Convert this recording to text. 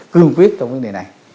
cương quyết trong vấn đề này